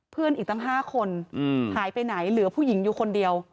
เพื่อนอีกตั้ง๕คนหายไปไหนเหลือผู้หญิงอยู่คนเดียว